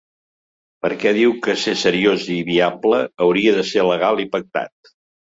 Perquè diu que per ser ‘seriós i viable’ hauria de ser legal i pactat.